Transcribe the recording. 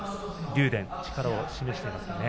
竜電が力を示していますね。